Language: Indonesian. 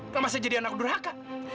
kalau masih jadi anak durhaka